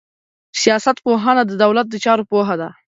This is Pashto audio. سياست پوهنه د دولت د چارو پوهه ده.